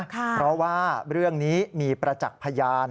เพราะว่าเรื่องนี้มีประจักษ์พยาน